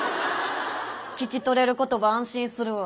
聞き取れる言葉安心するわ。